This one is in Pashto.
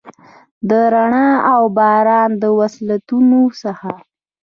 د رڼا اوباران، د وصلتونو څخه،